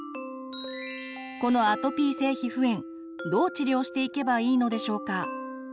このアトピー性皮膚炎どう治療していけばいいのでしょうか？